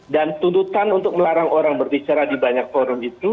dan tuntutan untuk melarang orang berbicara di banyak forum itu